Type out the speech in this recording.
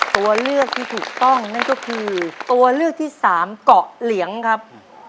ตัวเลือกที่ถูกต้องนั่นก็คือตัวเลือกที่สามเกาะเหลียงครับ